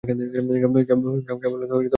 কেবল তুমি একা রয়েছো।